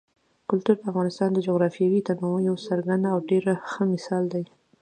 کلتور د افغانستان د جغرافیوي تنوع یو څرګند او ډېر ښه مثال دی.